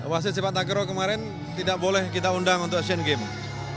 wasit sepak takraw kemarin tidak boleh kita undang untuk asian games